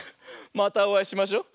またおあいしましょう。